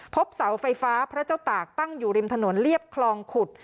พบเสาไฟฟ้าพระเจ้าตากตั้งอยู่ริมถนนเรียบคลองขุด